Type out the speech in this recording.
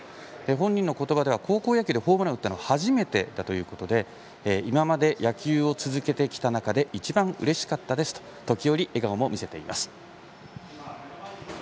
本人の言葉では高校野球でホームランを打ったのは初めてだということで今まで野球を続けてきた中で一番うれしかったですと時折、笑顔も見せています。